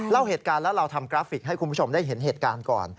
เล่าเหตุการณ์แล้วเราทำกราฟิกให้คุณผู้ชมได้เห็นเหตุการณ์ก่อน